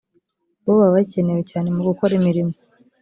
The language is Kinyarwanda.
bo baba bakenewe cyane mu gukora imirimo